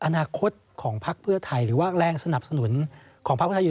อนาคตของพักเพื่อไทยหรือว่าแรงสนับสนุนของพักเพื่อไทยอยู่